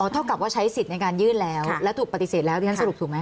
เท่ากับว่าใช้สิทธิ์ในการยื่นแล้วแล้วถูกปฏิเสธแล้วดิฉันสรุปถูกไหม